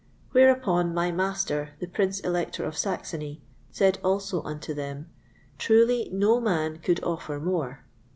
Whereupon my master, the Prince Elector of Saxony, said also unto them, "Truly no man could offer more."